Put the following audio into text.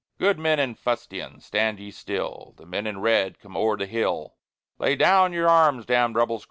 Good men in fustian, stand ye still; The men in red come o'er the hill. _Lay down your arms, damned Rebels!